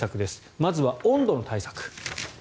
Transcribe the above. まずは温度の対策。